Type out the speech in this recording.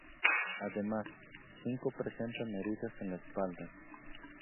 Además, cinco presentan heridas en la espalda.